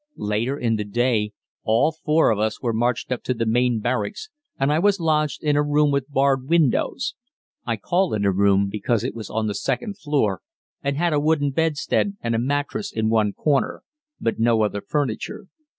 Later in the day all four of us were marched up to the main barracks and I was lodged in a room with barred windows I call it a room, because it was on the second floor and had a wooden bedstead and a mattress in one corner, but no other furniture.